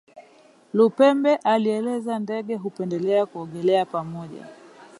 Lupembe alieleza Ndege hupendelea kuogelea pamoja